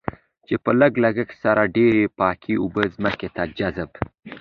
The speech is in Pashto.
چې په لږ لګښت سره ډېرې پاکې اوبه ځمکې ته جذب.